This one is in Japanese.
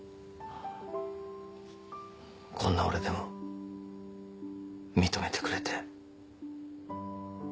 こんな俺でも認めてくれて。